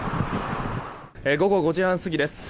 午後５時半過ぎです。